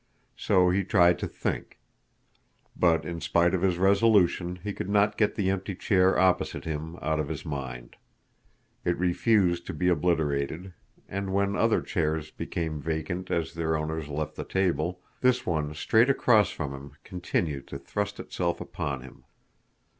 So he tried to think. But in spite of his resolution he could not get the empty chair opposite him out of his mind. It refused to be obliterated, and when other chairs became vacant as their owners left the table, this one straight across from him continued to thrust itself upon him.